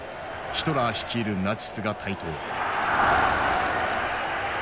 ヒトラー率いるナチスが台頭。